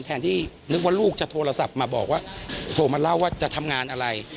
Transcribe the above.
แทนที่นึกว่าลูกจะโทรศัพท์มาบอกว่าโทรมาเล่าว่าจะทำงานอะไร